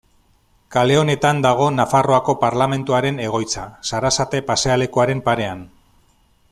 Kale honetan dago Nafarroako Parlamentuaren egoitza, Sarasate pasealekuaren parean.